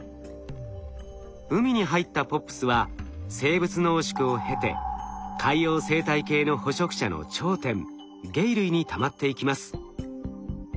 海に入ったＰＯＰｓは生物濃縮を経て海洋生態系の捕食者の頂点鯨類にたまっていきます。